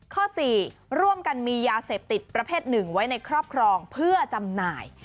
ข้อ๔ร่วมกันมียาเสพติดประเภทหนึ่งไว้ในครอบครองเพื่อจำหน่าย